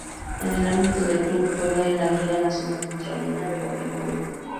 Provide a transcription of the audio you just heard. En el ámbito del club, juega en la Liga Nacional Australiana de Waterpolo.